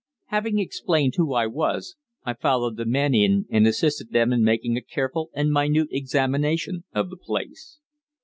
Having explained who I was, I followed the men in and assisted them in making a careful and minute examination of the place.